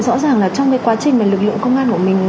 rõ ràng trong quá trình lực lượng công an